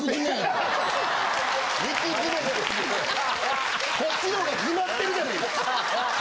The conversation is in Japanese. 肉詰めこっちのほうが詰まってるじゃないですか。